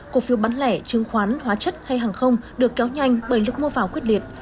cổ phiếu bán lẻ chứng khoán hóa chất hay hàng không được kéo nhanh bởi lực mua vào quyết liệt